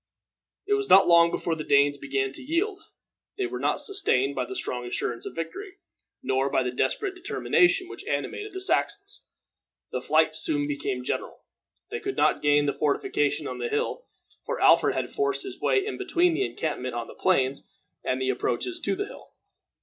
It was not long before the Danes began to yield. They were not sustained by the strong assurance of victory, nor by the desperate determination which animated the Saxons. The flight soon became general. They could not gain the fortification on the hill, for Alfred had forced his way in between the encampment on the plains and the approaches to the hill.